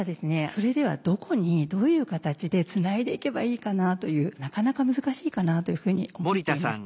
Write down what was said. それではどこにどういう形でつないでいけばいいかなというなかなか難しいかなというふうに思っています。